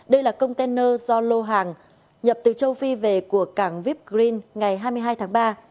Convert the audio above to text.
đây là container do lô hàng nhập từ châu phi về của cảng vip green ngày hai mươi hai tháng ba